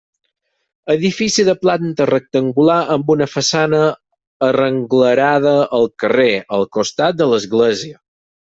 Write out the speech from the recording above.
Edifici de planta rectangular amb una façana arrenglerada al carrer, al costat de l'església.